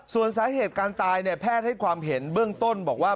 ส่วนสาเหตุการตายเนี่ยแพทย์ให้ความเห็นเบื้องต้นบอกว่า